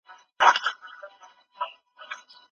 دی څراغ بلوي.